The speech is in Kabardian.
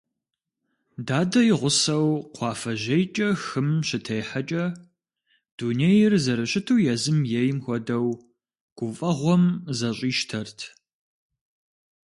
Дадэ и гъусэу кхъуафэжьейкӀэ хым щытехьэкӀэ, дунейр зэрыщыту езым ейм хуэдэу, гуфӀэгъуэм зэщӀищтэрт.